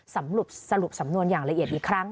สรุปสำนวนอย่างละเอียดอีกครั้ง